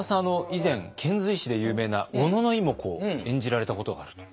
以前遣隋使で有名な小野妹子を演じられたことがあると。